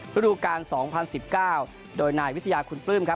ฤดูการ๒๐๑๙โดยนายวิทยาคุณปลื้มครับ